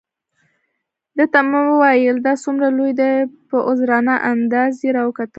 ده ته مې وویل: دا څومره لوی دی؟ په عذرانه انداز یې را وکتل.